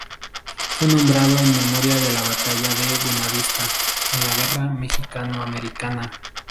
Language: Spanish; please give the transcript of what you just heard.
Fue nombrado en memoria de la batalla de "Buena Vista" en la guerra mexicano-americana.